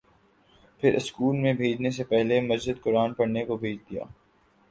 پھر اسکول میں بھیجنے سے پہلے مسجد قرآن پڑھنے کو بھیج دیا